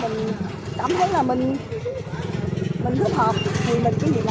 mình thích hợp thì mình cứ việt nam